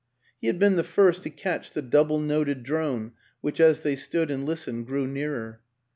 He had been the first to catch the double noted drone which as they stood and listened grew nearer.